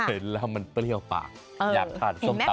เห็นแล้วมันเปรี้ยวปากอยากทานส้มตำ